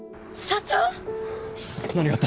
社長！